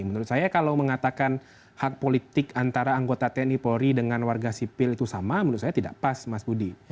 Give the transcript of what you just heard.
menurut saya kalau mengatakan hak politik antara anggota tni polri dengan warga sipil itu sama menurut saya tidak pas mas budi